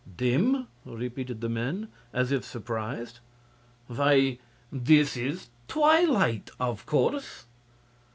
"Dim?" repeated the men, as if surprised; "why, this is twilight, of course."